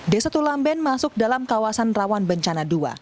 desa tulamben masuk dalam kawasan rawan bencana dua